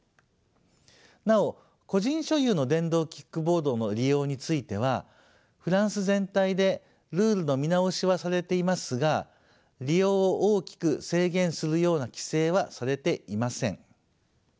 なお個人所有の電動キックボードの利用についてはフランス全体でルールの見直しはされていますが利用を大きく制限するような規制はされていません。